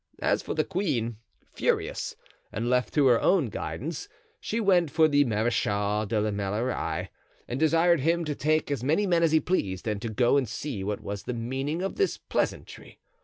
As for the queen, furious, and left to her own guidance, she went for the Marechal de la Meilleraie and desired him to take as many men as he pleased and to go and see what was the meaning of this pleasantry.